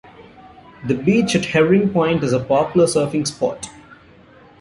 The beach at Herring Point is a popular surfing spot.